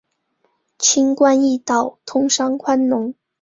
轻关易道，通商宽农